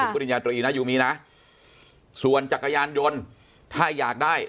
ปริญญาตรีนะยูมีนะส่วนจักรยานยนต์ถ้าอยากได้